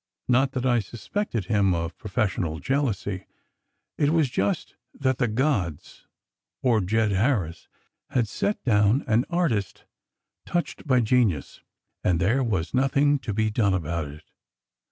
Not that I suspected him of professional jealousy. It was just that the gods, or Jed Harris, had set down an artist touched by genius, and there was nothing to be done about it.